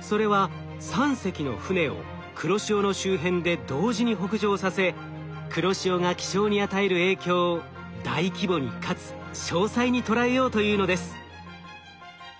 それは３隻の船を黒潮の周辺で同時に北上させ黒潮が気象に与える影響を大規模にかつ詳細にとらえようというのです。